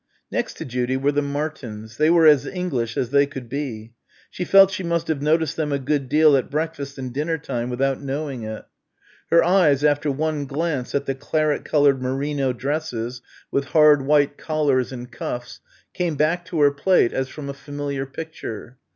Next to Judy were the Martins. They were as English as they could be. She felt she must have noticed them a good deal at breakfast and dinner time without knowing it. Her eyes after one glance at the claret coloured merino dresses with hard white collars and cuffs, came back to her plate as from a familiar picture.